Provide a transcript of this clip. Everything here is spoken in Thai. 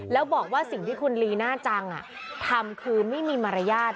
แล้วบอกว่าสิ่งที่คุณลีน่าจังทำคือไม่มีมารยาท